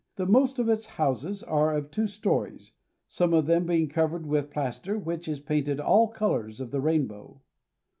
The most of its houses are of two stories, some of them being covered with plas ter which is painted all colors of the rainbow.